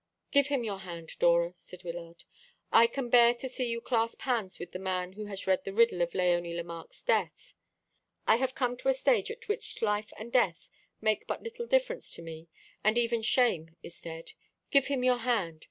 "Give him your hand, Dora," said Wyllard. "I can bear to see you clasp hands with the man who has read the riddle of Léonie Lemarque's death. I have come to a stage at which life and death make but little difference to me, and even shame is dead. Give him your hand.